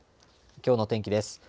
きょうの天気です。